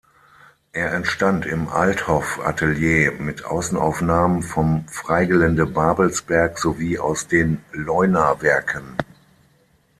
Er entstand im Althoff-Atelier mit Außenaufnahmen vom Freigelände Babelsberg sowie aus den Leunawerken.